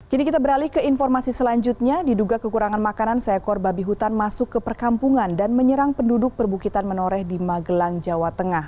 kini kita beralih ke informasi selanjutnya diduga kekurangan makanan seekor babi hutan masuk ke perkampungan dan menyerang penduduk perbukitan menoreh di magelang jawa tengah